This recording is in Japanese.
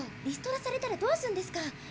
リストラされたらどうするんですか？